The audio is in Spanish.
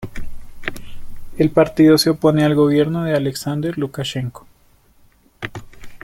El partido se opone al gobierno de Alexander Lukashenko.